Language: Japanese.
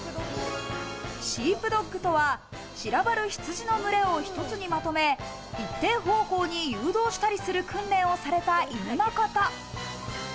シープドッグとは、散らばる羊の群れを一つにまとめ、一定方向に誘導したりする訓練をされた犬のこと。